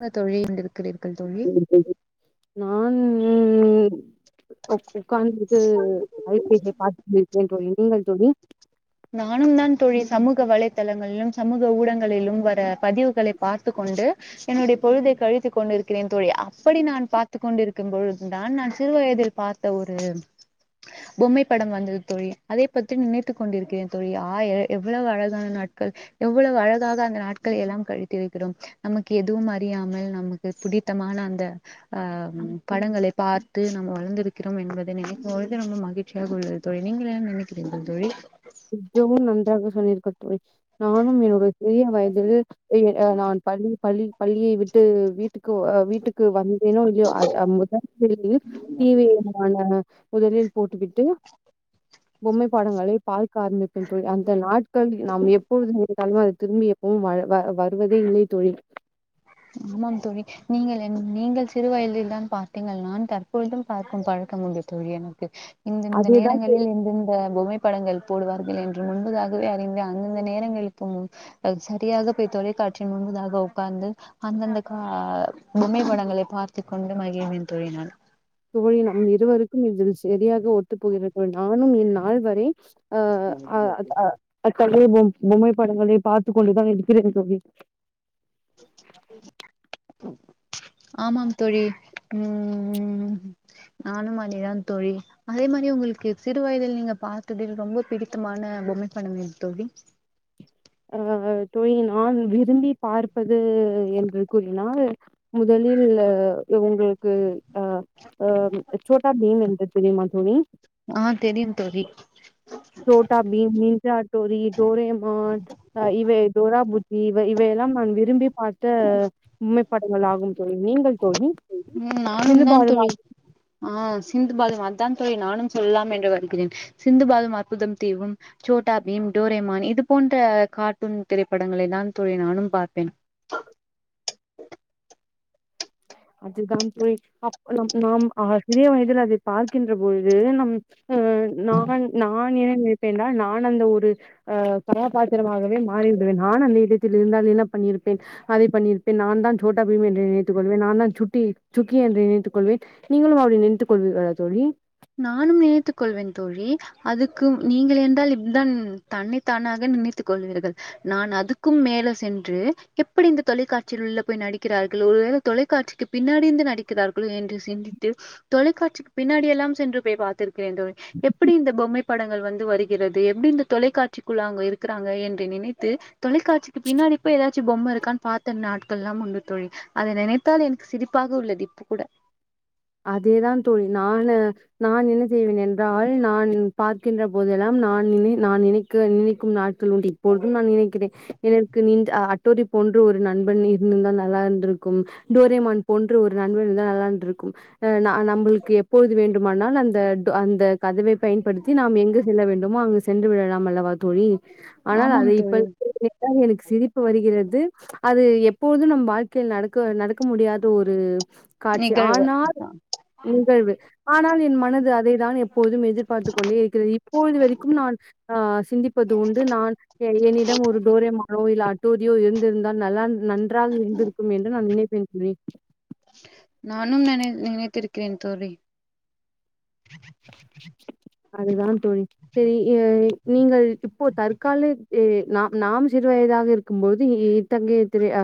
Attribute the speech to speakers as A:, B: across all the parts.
A: [unintelligible] தோழி கொண்டிருக்கிறீர்கள் தோழி
B: நானு ம் ம் ம் ஓகே உக்காந்து [inaudible] நீங்க தோழி
A: நானும் தா தோழி சமூக வலைதளங்களிலும் சமூக ஊடங்களிலும் வர பதிவுகளை பார்த்து கொண்டு என்னுடைய பொழுதை கழித்துக் கொண்டிருக்கிறேன் தோழி அப்படி நான் பார்த்துக் கொண்டிருக்கும் பொழுதுதான் நான் சிறுவயதிற பாத்த ஒரு பொம்மை படம் வந்தது தொழி அதை பத்தி நினைத்துக் கொண்டிருக்கிறேன் தோழி ஆ எவ்வளவு அழகான நாட் எவ்வளவு அழகாக அந்த நாட்கள் எல்லாம் கழித்திருக்கிரோம் நமக்கு எதுவும் அறியாமல் நமக்கு புடி த்தமான அந்த அ படங்களை பார்த்து நம்ம வளந்திரு இருக்கிரோம் என்பதை நினைக்கும் பொழுது ரொம்ப மிழ்ச்சியாக உள்ளது தோழி நீங்கள் என்ன நினைக்கிறீர்கள் தோழி
B: மிகவும் நன்றாக சொன்னிர்கள் [unintelligible] நானும் என்னுடைய சிறிய வயதில் எங்க நான் நான் பள்ளி பள்ளி பள்ளி விட்டு வீட் வீக்கு வீட்டுக்கு வந்தேனும் இல்யோ [unintelligible] முதல்யில் தடிவமான முதலில் போட்டுவிட்டு பொம்மை பாடங்களை பார்கு உக்காந்துருப்பேன் தோழி அந்த நாட்கள் நாம் எப்பொழுது திரும்பிய எப்பவும் வர் வ வருவதே இல்லை தோழி
A: ஆமாம் துடி நீங்கள் என் நீங்கள் சிறு வயதில் தான் பார்த்தீங்கள் நான் தற்பொழுதும் பார்க்கும் பழ கம் முண்டு தோழி எனக்கு இந்தந்த
B: அதேதான்
A: நேரங்களில் இந்தந்த பொமைப்பு படங்கள் போடுவார்கள் என்று முன்பதாகவே அறிந்து அந்தந்த நேரங்களில் சரியாக போய் தொலைக்க காட்சியின் முன்பதாக ஒக்காந்து அந்தந்த கா பொம்மை படங்களை பார்த்து கொண்டுமகிழ்ரவேன் தோழி நான்
B: தோழி நம் இருவருக்கும் இதில் சரியாக ஒத்து போகிறது நானும் இந்நாள் வரை அ அ அ அ சொல் பொம் பொம்மைப்படங்களை பார்த்து கொண்டுதான் இருக்கிறேன் தோழி
A: ஆமாம் தோழி ம் நானும் அதேதான் தோழி அதே மாரி உங்களுக்கு சிறு வயதில் நீங்க பாார்த்ததில் ரொம்ப பிடித்தமான பொம்மை படம் எது தோழி
B: அ தோழி நான் விரும்பி பார்ப்பது என்று கூறினால் முத லில் உங்களுக்கு அ அ சோட்டா பீம் இருந்தது தெரியுமா தோழி
A: ஆஹ் தெரியும் தோழி
B: Chhota Bheem, ninja Hattori, Doraemon இவை டோராபுஜ்ஜி இவை இவை எல்லாம் நான் விரும்பி பார்த்த பொம்மைப்படங்கள் ஆகும் தோழி. நீங்கள் தோழி சிந்து
A: நானும்தான்
B: பாலு
A: தோழி ஆ சிந்து பாத்தும் அதான் தோழி நானும் சொல்லலாம் என்று வருகிறேன். சிந்து பாத்தும் அற்புதம் தீவும், சோட்டாபீம் டோரேமான் இது போன்ற கார்ட்டூன் திரைப்படங்களைதான் தோழி நானும் பார்ப்பேன்.
B: அதுதான் தோழி அ நம் நாம் அஹ சிறிய வயதில் அதை பார்க்கின்ற பொழுது நம் நான் நான் நினை ப்பே என்றால் நான் அந்த ஒரு அ கதாபாத்திரமாகவே மாறி விடுவேன். நான் அந்த இடத்தில் இருந்தால் என்ன பண் பண்ணிருப்பேன் அதை பண்ணிருப்பேன் நான் தான் சோட்டாபீம் என்று நினைத் து கொள்வேன். நான் தான் சுட்டி சுக்கி என்று நினைத்துக் கொள்வேன். நீங்களும் அப்படி நினைத்துக் கொள்விர்களா தோழி?
A: நானும் நினைத்துக் கொள்வேன் தோழி. அதுக்கு நீங்கள் என்றால் இதுதான் தன்னை தானாக நினைத்துக் கொள்வீர்கள். நான் அதுக்கும் மேல சென்று எப்படி இந்த தொலைக்காட்சியில் உள்ள போய் நடிக்கிறார் களோ ஒருவேளை தொலைக்காட்சிக்கு பின்னாடி இருந்து நடிக்கிறார்களோ என்று சிந்தித்து தொலைக்காட்சிக்கு பின்னாடி எல்லாம் சென்று போய் பார்த்திருக்கிறேன் தோழி எப்டி இந்த பொம்மைப்படங்கள் வந்து வருகிறது எப்டி இந்த தொலைக்காட்சிக்குள்ள அங்க இருக் க்குறாங்க என்று நினைத்து தொலைக்காட்சிக்கு பின்னாடி போய் ஏதாச்சும் பொம்மை இருக்கான்னு பாத்த நாட்கள்லாம் உண்டு தோழி அதை நினைத்தால் எனக்கு சிரிப்பாக உள்ளது இப் கூட
B: அதேதா தோழி நானு நா என்ன செய்வேன் என்றால் நான் பார்க்கின்ற போதெல்லாம் நான் நினை நான் நினைக்க நினைக்கும் நாட்கள் உண்டு இப்பொழுதும் நான் நினைக்கிறேன் எனக்கு நீங் அட்டோரி போன்று ஒரு நண்பன் இருந்திருந்தா நல்லா இருந்திருக்கும் டோரேமான் போன்று ஒரு நண்பன் இருந்தா நல்லா இருந்திருக்கும் அ நா நம்மளுக்கு எப்போது வேண்டுமானால் அந்த அந்த கதவை பயன்படுத்தி நாம் எங்கு செல் வேண்டுமோ அங்கு சென்று விடலாம் அல்லவா தோழி ஆனால்
A: ஆமாம்
B: அதை இப்ப
A: தோழி
B: நினைத்தால் எனக்கு சிரிப்பு வருகிறது அது எப்பொழுதும் நம் வாழ்க்கையில் நடக்க நடக்க முடியாத ஒரு காட்சி ஆனால்
A: யாக
B: நிகழ்வு ஆனால் என் மனது அதைதான் எப்போதும் எதிர்பார்த்துக் கொண்டே இருக்கிறது இப்பொழுது வரைக்கும் நான் அ சிந்திப்பது உண்டு நான் என்னிடம் ஒரு டோரேமானோ இல்ல அட்டோரியோ இருந்திருந்தால் நல்லா இருந்திருக் நன்றாக இருந்திருக்கும் என்று நான் நினைப்பேன் தோழி
A: நானும் நினை நினைத்திருக்கிறேன் தோழி
B: அதுதான் தோழி செரி நீங்கள் இப்போ தற்காலெ நாம் நாம் சிறு வயதாக இருக்கும்போது இத்தகைய திரை அ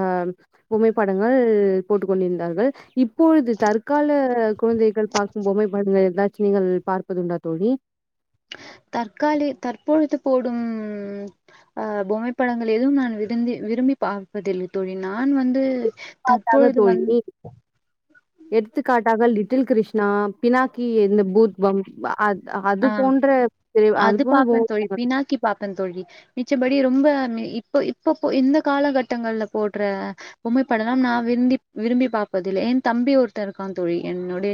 B: புகைப்படங்கள் போட்டுக் கொண்டிருந்தார்கள் இப்பொழுது தற்கால குழந்தைகள் பார்க்கும் பொம்மை படங்கள் எதாச்சு ச்சு நீங்கள் பார்ப்பதுண்டா தோழி
A: தற்காலி தற்பொழுது போடும் அ பொம்மைப்படங்கள் எதுவும் நான் விருந்தி விரும்பி பார்ப்பதில்லை தோழி நான் வந்து
B: பார்க்காத
A: தற்பொழுது வந்
B: தோழி எடுத்துக்காட்டாக லிட் லிட்டில் கிருஷ்ணா, பினாக்கி, இந்த பூத் பம் அத்
A: அ அது பாப்பே தோழி
B: போ-
A: பினாக்கி பாப்பே தோழி மிச்சபடி ரொம்ப இப்போ இப்ப இந்த காலகட்டங்கள்ல போட்ற பொம்மைப்படலா நான் விரும்பி விரும்பி விரும்பி பார்ப்பதில்லை. ஏ தம்பி ஒருத்தெ இருக்கா தோழி என்னுடைய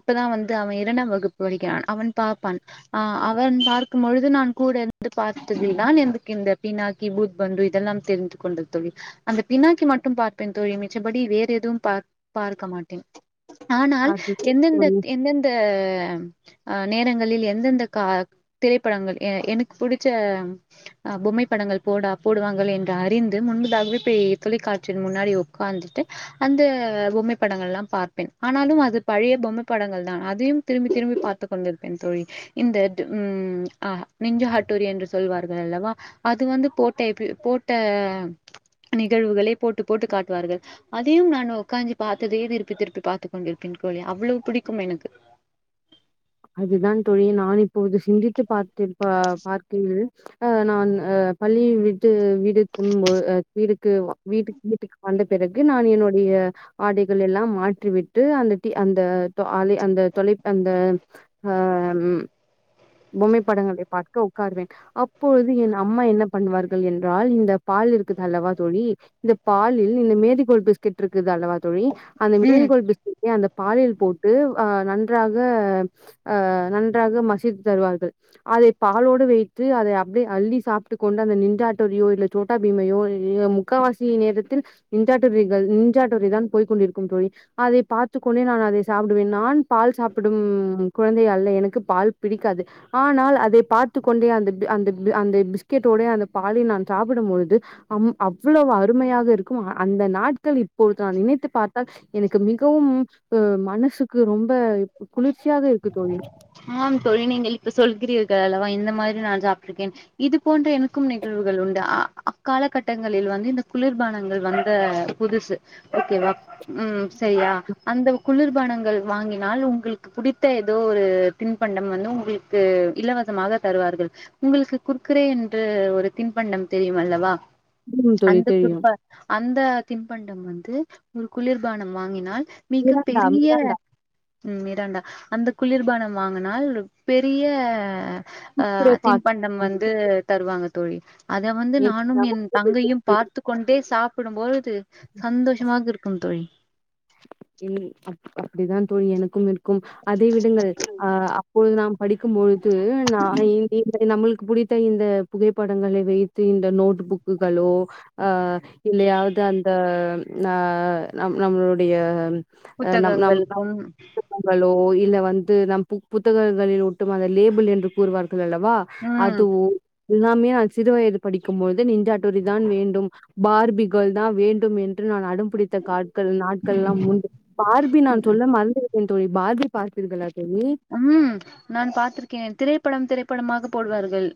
A: இப்பதா வந்து அவெ இரண்டாம் வகுப்பு வகுப்பு படிக்கிறான் அவன் பார்ப்பான் அ அவன் பார்க்கும் பொழுது நான் கூட வந்து பார்த்ததி தான் எனக்கு இந்த பினாக்கி பூத் பந்து இதெல்லாம் தெரிந்து கொண்ட தோழி. அந்த பினாக்கி மட்டு பார்ப்பேன் தோழி மிச்சபடி வேற எதுவும் பார் பார்க்க மாட்டேன் ஆனால்
B: அது
A: எந்தெந்த
B: தோழி
A: எந்தெந்த அ நேரங்களில் எந்தெந்த கா திரைப்படங்கள் எனக்கு புடிச்ச அ பொம்மைப்படங்கள் போடா போடுவாங்கள் என்று அறிந்து முன்பதாகவே போய் தொலைக்காட்சி முன்னாடி உக்காந்துட்டு அந்த அ பொம்மைப்படங்கள் எல்லா பார்ப்பேன் ஆனாலு அது பழைய பொம்மைப்படங்கள் தான் அதையும் திரும்பி திரும்பி பார்ப்பதற்காக உக்காந்திருப்பேன் தோழி இந்த டு அ நிஞ்சா ஹட்டூரி என்று சொல்வார்கள் அல்லவா அது வந்து போட்டப்ப போட்ட நிகழ்வுகளை போட்டு போட்டு காட்டுவார்கள் அதையும் நான் உக்காந்து பார்த்ததையே திருப்பி திருப்பி பார்த்துக் கொண்டிருப்பேன் தோழி அவ்வோ புடிக்கும் எனக்கு
B: அதுதான் தோழி நான் இப்போது சிந்தித்து பார்த்தே பார்க்க அ நான் அ பள்ளிய விட்டு வீடு திரும்போ வீட்டுக்கு வீட்டுக்கு வீட்டுக்கு ந்த பிறகு நான் என்னுடைய ஆடைகள் எல்லாம் மாற்றிவிட்டு அந்த அந்தலை அந்த தோழி அந்த அ பொம்மைப்படங்களைப் பார்க்க உட்கார்வேன் அப்பொழுது என் அம்மா என்ன பண்ணுவார்கள் என்றால் இந்த பா பால் இருக்குதுதல்லவா தோழி இந்த பாலில் இந்த மேரி கோல்ட் பிஸ்கட் இருக்குது அல்லவா தோழி அந்த மேரி
A: ம்
B: கோல்ட் பிஸ்கட்டை அந்த பாலியல் போட்டு அ நன்றாக அ நன்றாக மசித் தருவார்கள் அதை பாலோடு வைத்து அதை அப்டியே அள்ளி சாப்பிட்டுக் கொண்டு அந்த நிஷ்சா ஹட்டோரியோ இல்ல சோட்டாபி பிமையோ முக்கவாசி நேரத்தில் நிஷ்சா ஹட்டோரிகள் நிஷ்சா ஹட்டோரி தான் போய்கொண்டிருக்கும் தோழி அ அதை பார்த்துக்‌ கொண்டே நான் அதை சாப்பிடுவேன் நான் பால் சாப்பிடும் குழந்தை அல்ல எனக்கு பால் பிடிக்காது ஆனால் அதை பார்த்துக் கொண்டே அந்த அந்த அந்த பிஸ்கெட்டோடு அந்த பாலை நான் சாப்பிடும்போது அம் அவ்வளவு அறு அருமையாக இருக்கும் அந்த நாட்கள் இப்பொழுது நான் நினைத்து பார்த்தால் எனக்கு மிகவும் அ மன சுக்கு ரொம்ப குளிர்ச்சியாக இருக்கு தோழி
A: ஆம் தோழி நீங்கள் இப்ப சொல்கிறீர்கள் அல்லவா இந்த மாரி நான் சாப்பிட்டுருக்கேன் இது போன்ற எனக்கும் நிகழ்வு உண்டு அக்காலகட்டங்களில் வந்து இந்த குளிர்பானங்கள் வந்த புதுசு ஓகே வா ம் சரியா அந்த குளிர்பானங்கள் வாங்கினால் உங்களுக்கு புடித்த ஏதோ ஒரு தின்பண்டம் வந்து உங்களுக்கு இலவசமாக தருவார்கள் உங்களுக்கு குர்கரே என்று ஒரு தின்பண்ட ண்டம் தெரியும் அல்லவா
B: ம் தோழி
A: அந்த
B: தெரியும்.
A: குறி்பா அந்த தின்பண்டம் வந்து ஒரு குளிர்பானம் வாங்கினால் மிக
B: மிராண்டா
A: பெரிய
B: மிராண்டா
A: ம் இிரண்டா அந்த குளிர்பானம் வாங்கினால் பெரிய ஆ
B: குர்குரே பாக்
A: தின்பண்டம் வந்து தருவாங்க தோழி அத வந்து நானும் என் தங்கையும் பார்த்து கொண்டே சாப்பிடும்பொழுது சந்தோஷமாக இருக்கும் தோழி
B: ம் அப்படிதான் தோழி எனக்கும் இருக்கும் அதை விடுங்கள் ஆ அப்போழுது நாம் படிக்கும்பொழுது [unintelligible] நம்மளுக்கு புடித்த இந்த புகைப்படங்களை வைத்து இந்த நோட் புக்குகளோ ஆ இல்லையாவது அந்த ஆ நம்மளுடைய
A: புத்தகங்களுக்கும்
B: ம்ம்ங்களோ இல்ல வந்து நம் புத்தகங்களில் ஒட்டும் அந்த லேபிள் என்று கூறுவார் ல்லவா
A: ம்
B: அதுவு எல்லாமே நான் சிறு வயது படிக்கும்பொழுது நெஞ்சாட்டுரி தான் வேண்டும் பார்பிகள் தான் வேண்டும் என்று நான் அடம் பிடித்த காட்கள் நாட்கள் எல்லாம் உண்டு பார்பி நான் சொல்ல மறந்திருக்கேன் தோழி பார்பி பார்பீர்களா
A: ம் நான் பாார்த்திருக்கே திரைப்படம் திரைப்படமாக போடுவார்கள்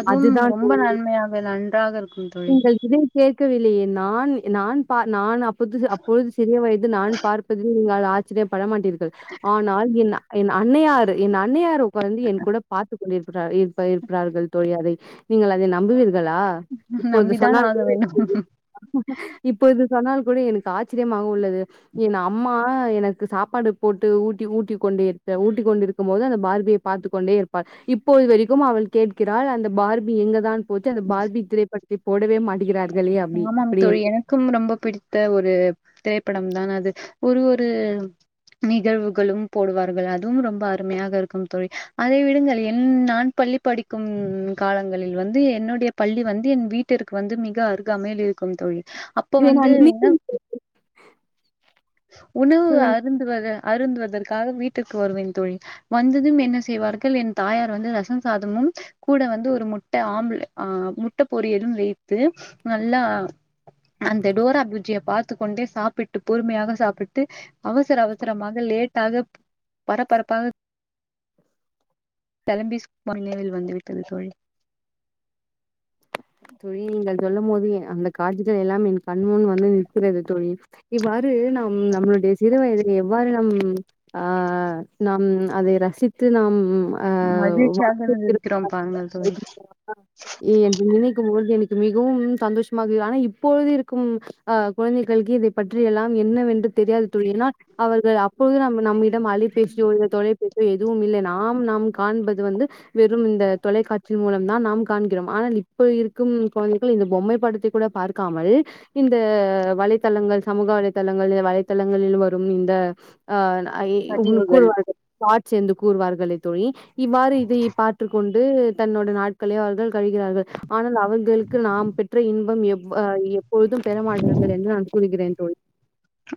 A: அதுவும்
B: அதுதான்
A: ரொம்ப நன்மையாக நன்றாக இருக்
B: நீங்கள் இதை கேட்கவில்லையே நான் நான் பா நான் அப்பொழுது சிறிய வயது நான் பார்ப்பதில் நீங்கள் ஆச்சரியம்ப்படமாட்டீர்கள் ஆனால் என் என் அன்னையார் என் அன்னையார் உக்காந்தூ என் கூட பார்த்து இருக்கிறார்கள் தோழி அதை நீங்கள் அதை நம்புவீர்களா இப்பொழுது
A: நம்பிதான்
B: சொன்னால்
A: ஆக வேண்டும்
B: [unintelligible] இப்போது சொன்னால் கூட எனக்கு ஆச்சரியமாக உள்ளது என் அம்மா எனக்கு சாப்பாடு போட்டு ஊட்டி ஊட்டி கொண்டே இரு ஊட்டிக்கொண்டிருக்கும் போது அந்த பார்பியை பார்த்து கொண்டே இருப்பாள் இப்போது வரைக்கும் அவள் கேட்கிராள் அந்த ப பார்பி எங்கதான் போச்சு அந்த பார்பி திரைப்படத்தை போடவே மாட்
A: ஆமாம் தோழி எனக்கும் ரொம்ப பிடித்த ஒரு திரை படம்தான் அது ஒரு ஒரு நிகழ்வுகளும் போடுவார்கள் அதுவும் ரொம்ப அருமையாக இருக்கும் தோழி அதை விடுங்கள் என் பள்ளி படிக்கும் காலங்களில் வந்து என்னுடைய பள்ளி வந்து என் வீட்டிற்கு வந்து மிக த அருகாமைல் இருக்கும் தோழி அப்போ
B: இதை
A: வந்தூ
B: நான் நினைக்கும் போது
A: உணவு
B: சொல்லுங்க
A: அருந்து வக அருந்துவதற்காக வீட்டிற்கு வருவேன் தோழி வந்ததும் என்ன செய்வார்கள் என் தாயார் வந்து ரசம் சாதமும் ம் கூட வந்து ஒரு முட்ட ஆம்லெ ஆ முட்ட பொரியலும் வைத்து நல்லா அந்த டோரா பூஜிய பாத்துக்கொண்டே சாப்பிட்டு பொறுமையாக சாப்பிட்டு அவசர அவசரமாக லெ லேட்டாக பரபரப்பாக பெலம்பிஸ் ஒன்னெல் வந்து விட்டது தோழி
B: தோழி நீங்கள் சொல்லும் போது எ அந்த காட்சிகள் எல்லாம் என் கண்முன் வந்து நிற்கிறது தோழி இவ்வா று நம் நம்மளுடைய சிறு வயதுல எவ்வாறு நம் ஆ நாம் அதை ரசித்து நாம் ஆ வா
A: மகிழ்ச்சியாக இருந்திருக்கிறோம் பாருங்கள் தோழி
B: [unintelligible] என்று நினைத் பொழுது எனக்கு மிகவும் சந்தோஷமாக ஆனா இப்பொழுது இருக்கும் அ குழந்தைகளுக்கு இதைப் பற்றிய எல்லாம் என்ன என்னவென்று தெரியாது தோழி ஏன்னால் அவர்கள் அப் அப்போழுது நம் நம்மிடம் அழைபேசியோ இல்ல தொலைபேசியோ எதுவும் இல்லை நா ஆம் நாம் காண்பது வந்து வெறும் இந்த தொலைக்காட்சி மூலம் தான் நாம் காண்கிறோம் ஆனால் இப் இப்போ இருக்கும் குழந்தைகள் இந்த பொம்மை படத்தை கூட பார்க்காமல் இந்த வலைத்தளங்கள் சமூக வலைதளங்கள் இல்ல வலைதளங்களில் வரும் இந்த அ ஐ ஒன்னு
A: பதிவுகள்
B: கூறுவார்கள் தாஹ்ட்ஸ் என்று கூறுவார்காலே தோழி இவ்வாறு இதை பார்ட்டு கொண்டு து தன்னோட நாட்கள் அவர்கள் கழகிறார்கள் ஆனால் அவர்களுக்கு நாம் பெற்ற இன்பம் எப் அ எப்பொழுதும் பெற மாட்டர்கள் என்று நான் கூறுகிறேன் தோழி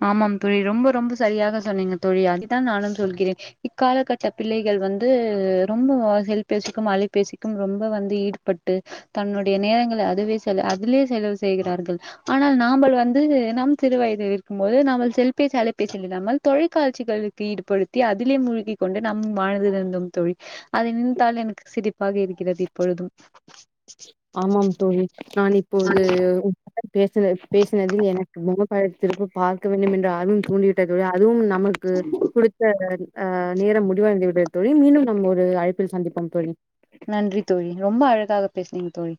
A: ஆமாம் தோழி ரொம்ப ரொம்ப சரியாக சொன்னீங்க தோழி அதான் நானும் சொல்கிறேன் இக்கால கட்ட பிள்ளை கள் வந்து ரொம்ப எல் பேசிக்கும் அலை பேசிக்கும் ரொம்ப வந்து ஈடுபட்டு தன்னுடைய நேரங்கள அதுவே செ அதிலே செலவு செய்கிறார்கள் ஆனால் நாம்பல் வந்து நம் திற வயதிற்க கும்போது நாமல் செல்பேசி அலைப்பேசி இல்லாமல் தொலைக்காட்சிகளுக்கு ஈடுபடுத்தி அதிலே மூழ்கிக் கொண்டு நம் ஆனதில் இருந்தோம் தோழி அதை நினைத்தால் எனக்கு சிரிப்பாக இருக்கிறது இப்பொழுதும்
B: ஆமாம் தோழி நான் இப்போது உப் பேசுன பேசுனதில் எனக்கு முக பழத்திற்கு பார்க்க வேண்டும் என்ற ஆர்வம் தூண்டிவிட்டத அதுவும் நா நமக்கு குடுத்த அ நேரம் முடிவடைந்துவிட்டது தோழி மீண்டும் நம்ம ஒரு அழைப்பில் சந்திப்போம் தோழி
A: நன்றி தோழி ரொம்ப அழகாக பஸ்னீங்க தோழி